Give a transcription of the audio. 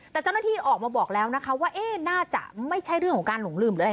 แต่เจ้าหน้าที่ออกมาบอกแล้วนะคะว่าน่าจะไม่ใช่เรื่องของการหลงลืมหรืออะไร